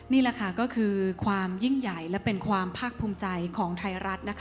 นี่แหละค่ะก็คือความยิ่งใหญ่และเป็นความภาคภูมิใจของไทยรัฐนะคะ